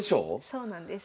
そうなんです。